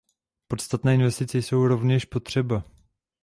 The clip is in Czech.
Podstatné investice jsou rovněž potřeba.